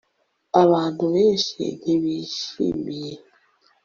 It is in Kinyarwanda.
Abantu benshi ntibishimiye